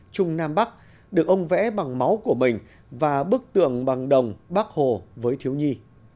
trung nam bắc được ông vẽ bằng máu của mình và bức tượng bằng đồng bác hồ với thiếu nhi